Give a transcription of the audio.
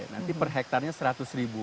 nanti per hektarnya seratus ribu